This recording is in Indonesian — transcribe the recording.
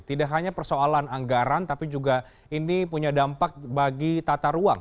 tidak hanya persoalan anggaran tapi juga ini punya dampak bagi tata ruang